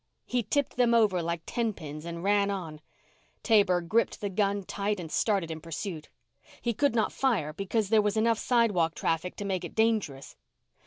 He tipped them over like tenpins and ran on. Taber gripped the gun tight and started in pursuit. He could not fire because there was enough sidewalk traffic to make it dangerous.